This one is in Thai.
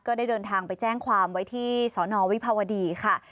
ได้เดินทางไปแจ้งความไว้ที่สนวิภาวดีค่ะ